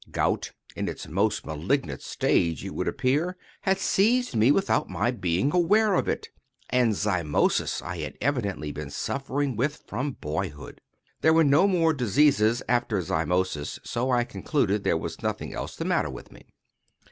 Gout, in its most malignant stage, it would appear, had seized me without my being aware of it; and zymosis I had evidently been suffering with from boyhood. There were no more diseases after zymosis, so I concluded there was nothing else the matter with me.